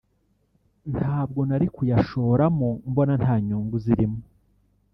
ntabwo nari kuyashoramo mbona nta nyungu zirimo